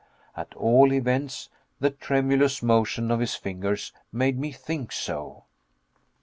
At all events the tremulous motion of his fingers made me think so.